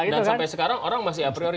dan sampai sekarang orang masih apriori